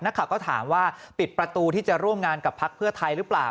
นักข่าวก็ถามว่าปิดประตูที่จะร่วมงานกับพักเพื่อไทยหรือเปล่า